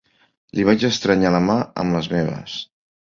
Li vaig estrènyer la mà amb les meves.